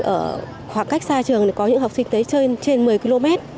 ở khoảng cách xa trường có những học sinh tới trên một mươi km